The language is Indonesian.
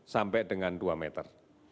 sampai dengan dua meter